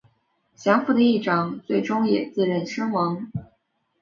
降伏的义长最终也自刃身亡。